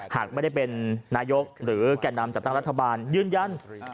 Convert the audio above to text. หากไม่ได้เป็นนายกหรือแก่นำจัดตั้งรัฐบาลยืนยัน